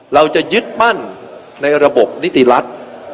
เราจะยึดมั่นในระบบนิติรัฐ